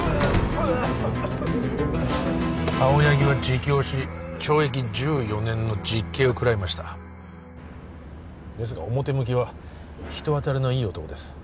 青柳は自供し懲役１４年の実刑を食らいましたですが表向きは人当たりのいい男です